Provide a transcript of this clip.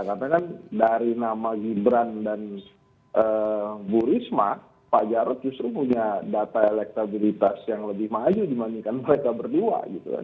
karena kan dari nama gibran dan ibu risma pak jarod justru punya data elektabilitas yang lebih maju dibandingkan mereka berdua